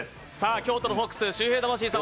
京都のフォックス周平魂さん